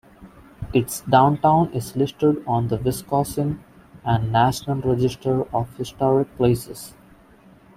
Its downtown is listed on the Wisconsin and National Register of Historic Places.